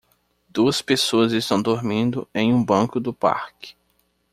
Duas pessoas estão dormindo em um banco do parque